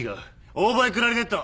オーボエクラリネット！